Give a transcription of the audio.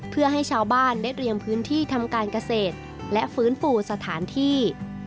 เพื่อให้ชาวบ้านได้เตรียมพื้นที่ทำการเกษตรและฟื้นฟูสถานที่